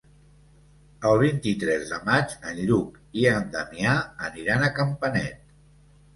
El vint-i-tres de maig en Lluc i en Damià aniran a Campanet.